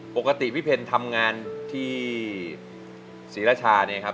ปกติพี่เพลทำงานที่ศรีราชาเนี่ยครับ